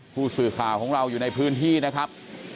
ผู้สื่อข่าวของเราอยู่ในพื้นที่นะครับ